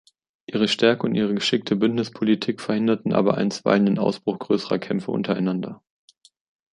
Ihre Stärke und ihre geschickte Bündnispolitik verhinderten aber einstweilen den Ausbruch größere Kämpfe untereinander.